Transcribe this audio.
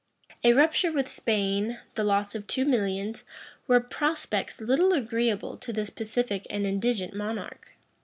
A rupture with Spain, the loss of two millions, were prospects little agreeable to this pacific and indigent monarch.